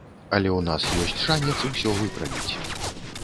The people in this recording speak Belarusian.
Але ў нас ёсць шанец усё выправіць.